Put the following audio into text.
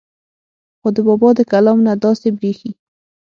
خو د بابا د کلام نه داسې بريښي